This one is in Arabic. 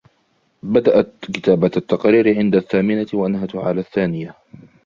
بدأََت كتابة التقرير عند الثامنة و أنهَته على الثانية.